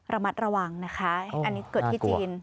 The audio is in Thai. ระมัดระวังนะคะอันนี้เกิดที่จีน